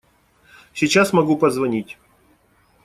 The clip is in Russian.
Сейчас могу позвонить.